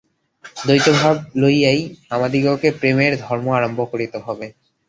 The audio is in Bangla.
দ্বৈতভাব লইয়াই আমাদিগকে প্রেমের ধর্ম আরম্ভ করিতে হয়।